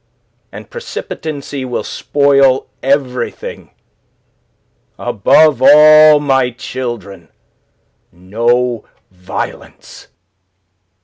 And precipitancy will spoil everything. Above all, my children, no violence!"